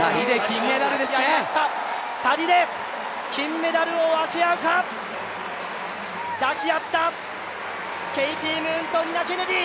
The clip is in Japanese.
２人で金メダルを分け合うか抱き合った、ケイティ・ムーンとニナ・ケネディ。